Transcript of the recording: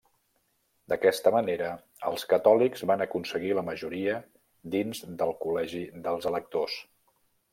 D'aquesta manera, els catòlics van aconseguir la majoria dins del col·legi dels electors.